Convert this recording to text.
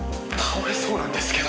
倒れそうなんですけど。